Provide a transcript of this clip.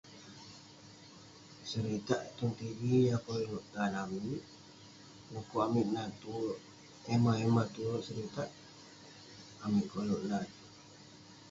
Seritak tong tv yah koluk tan amik, ukuk amik nat tue. Emah-emah tue seritak amik koluk nat.